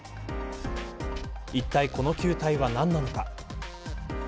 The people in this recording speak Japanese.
いったいこの球体は何なのか。